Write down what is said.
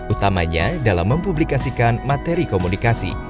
utamanya dalam mempublikasikan materi komunikasi